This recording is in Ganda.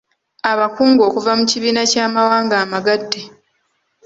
Abakungu okuva mu kibiina ky’Amawanga amagatte.